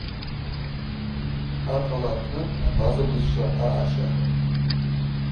Акъала апны абаза бызшва аъаща.